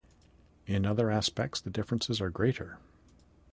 In other aspects, the differences are greater.